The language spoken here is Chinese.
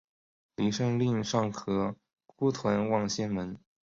李晟令尚可孤屯望仙门。